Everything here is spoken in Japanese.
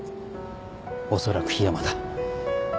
おそらく樋山だ。